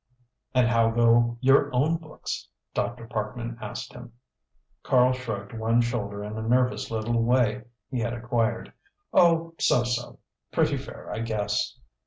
"And how go your own books?" Dr. Parkman asked him. Karl shrugged one shoulder in a nervous little way he had acquired. "Oh so, so. Pretty fair, I guess."